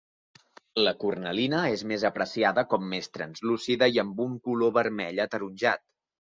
La cornalina és més apreciada com més translúcida, i amb un color vermell-ataronjat.